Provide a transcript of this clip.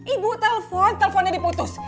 ibu telepon teleponnya diputus